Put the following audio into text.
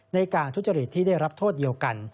ในการทุจริตที่ได้รับโทษเดียวกัน